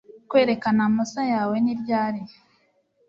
Kwerekana mauser yawe ni ryari